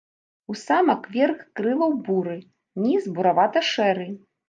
У самак верх крылаў буры, ніз буравата-шэры.